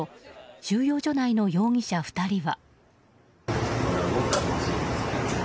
収容所内の容疑者２人は。